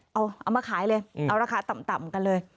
เอามาขายเลยเอาราคาต่ำกันเลย